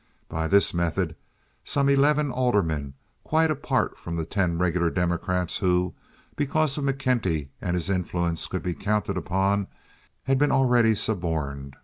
By this method some eleven aldermen—quite apart from the ten regular Democrats who, because of McKenty and his influence, could be counted upon—had been already suborned.